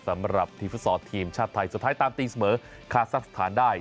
สำหรับทีมฟุตซอลทีมชาติไทยสุดท้ายตามตีเสมอคาซักสถานได้